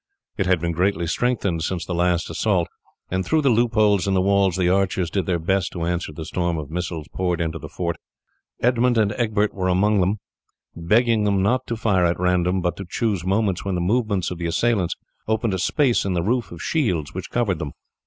It had been greatly strengthened since the last assault, and through the loopholes in the walls the archers did their best to answer the storm of missiles poured into the fort. Edmund and Egbert went among them, begging them not to fire at random, but to choose moments when the movements of the assailants opened a space in the roof of shields which covered them.